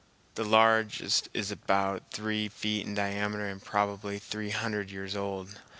The largest is about three feet in diameter and probably three hundred years old.